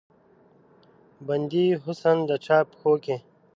بندي حسن د چا پښو کې